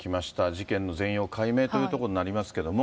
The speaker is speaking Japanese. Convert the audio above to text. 事件の全容解明ということになりますけれども。